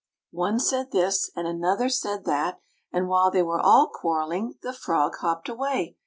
One said this, and another said that; and while they were all quarreling, the frog hopped away.